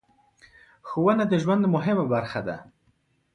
ښوونه د ژوند مهمه برخه ده.